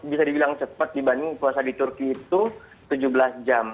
bisa dibilang cepat dibanding puasa di turki itu tujuh belas jam